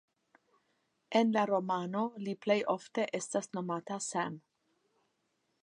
En la romano li plej ofte estas nomata Sam.